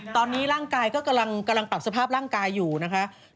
ตอนนี้ร่างกายก็กำลังปรับสภาพร่างกายอยู่นะคะ